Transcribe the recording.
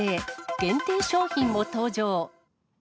限定商品も登場。